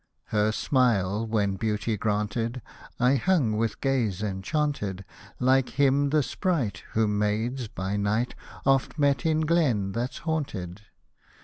Her smile when Beauty granted, I hung with gaze enchanted. Like him the sprite, Whom maids by night Oft met in glen that's haunted.